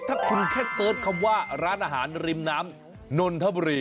ถ้าคุณแค่เสิร์ชคำว่าร้านอาหารริมน้ำนนทบุรี